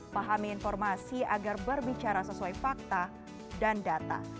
pahami informasi agar berbicara sesuai fakta dan data